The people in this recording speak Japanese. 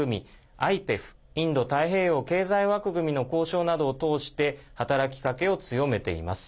ＩＰＥＦ＝インド太平洋経済枠組みの交渉などを通して働きかけを強めています。